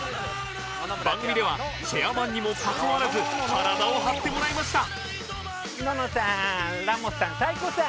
番組ではチェアマンにもかかわらず体を張ってもらいました